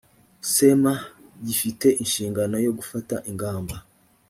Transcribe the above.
cma gifite inshingano yo gufata ingamba